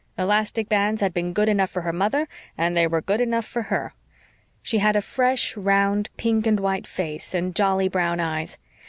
Elastic bands had been good enough for her mother and they were good enough for HER. She had a fresh, round, pink and white face, and jolly brown eyes.